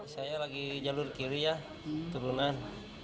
saya lagi jalur kiri ya turunan